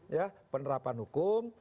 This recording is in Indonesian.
ya penerapan hukum